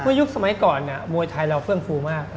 เพราะยุคสมัยก่อนมวยไทยเราฟื้นฟูมาก